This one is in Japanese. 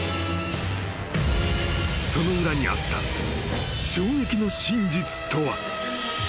［その裏にあった衝撃の真実とは］